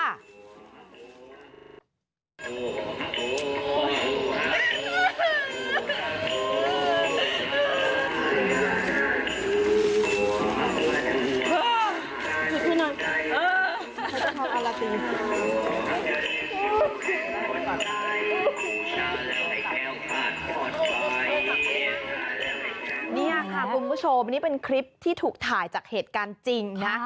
นี่ค่ะคุณผู้ชมอันนี้เป็นคลิปที่ถูกถ่ายจากเหตุการณ์จริงนะ